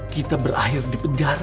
kita berakhir di penjara